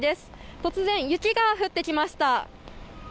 突然、雪が降ってきました。